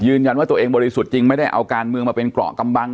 ตัวเองบริสุทธิ์จริงไม่ได้เอาการเมืองมาเป็นเกราะกำบัง